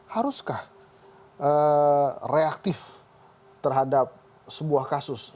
haruskah reaktif terhadap sebuah kasus